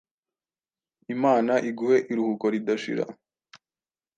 imana iguhe iruhuko ridashira